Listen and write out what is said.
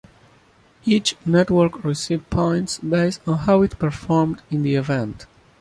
Each network received points based on how it performed in the event.